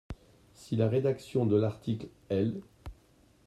Si la rédaction de l’article L.